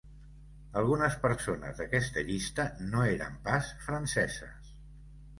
Algunes persones d'aquesta llista no eren pas franceses.